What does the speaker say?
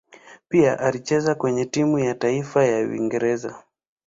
Pia amecheza kwenye timu ya taifa ya Uingereza.